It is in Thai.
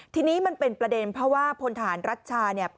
ทีนี้มันเป็นประเด็นเพราะว่าพลฐานรัชชาเนี่ย